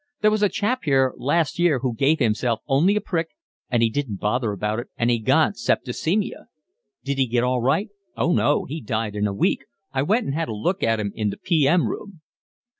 There was a chap here last year who gave himself only a prick, and he didn't bother about it, and he got septicaemia." "Did he get all right?" "Oh, no, he died in a week. I went and had a look at him in the P. M. room."